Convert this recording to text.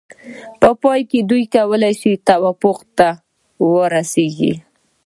په پای کې دوی کولای شي توافق ته ورسیږي.